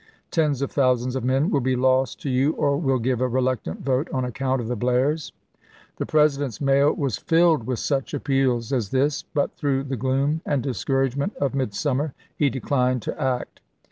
Tens of thousands of men will be lost to you or will toTmcoin, give a reluctant vote on account of the Blairs." 6Pms*864' The President's mail was filled with such appeals as this; but through the gloom and discourage ment of midsummer he declined to act.